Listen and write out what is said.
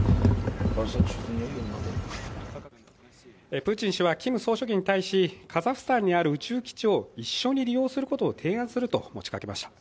プーチン氏はキム総書記に対し、カザフスタンにある宇宙基地を一緒に利用することを提案すると持ちかけました。